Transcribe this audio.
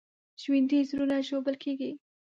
ژوندي زړونه ژوبل کېږي